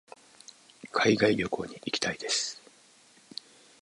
海外旅行に行きたいです。